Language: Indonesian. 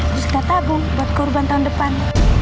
terus kita tabung buat kurban tahun depan